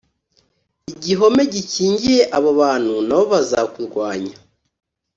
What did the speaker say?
igihome gikingiye abo bantu na bo bazakurwanya